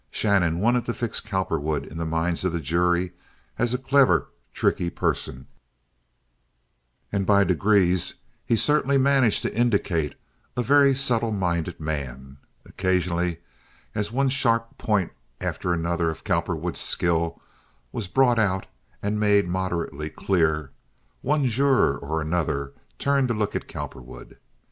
Shannon wanted to fix Cowperwood in the minds of the jury as a clever, tricky person, and by degrees he certainly managed to indicate a very subtle minded man. Occasionally, as one sharp point after another of Cowperwood's skill was brought out and made moderately clear, one juror or another turned to look at Cowperwood.